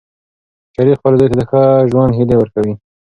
شریف خپل زوی ته د ښه ژوند هیلې ورکوي.